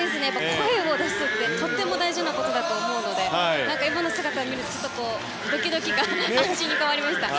声を出すってとても大事なことだと思うので今の姿を見るとドキドキが安心に変わりました。